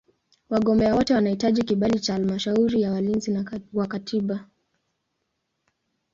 Wagombea wote wanahitaji kibali cha Halmashauri ya Walinzi wa Katiba.